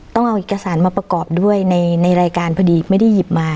ต้องเอาเอกสารมาประกอบด้วยในรายการพอดีไม่ได้หยิบมา